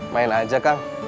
main aja kang